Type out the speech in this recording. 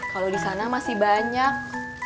kalau di sana masih banyak